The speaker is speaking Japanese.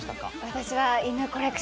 私は。